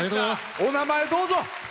お名前、どうぞ。